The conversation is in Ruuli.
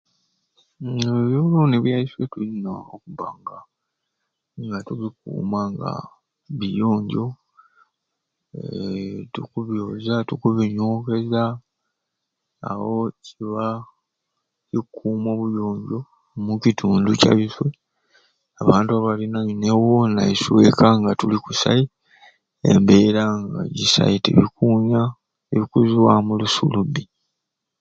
Mmm ebyolooni byaiswe tuyina okubanga nga tubikuma nga biyonjo eee tukubyoza, tukubinyonkeeza awo kiba kikuma obuyonjo omu kitundu kyaiswe abantu abalinainewo naiswe ekka nga tuli kusai embeera nga jisai nga tibikunya, tibikuzwamu lusu lubbi.